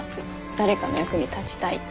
誰かの役に立ちたいって。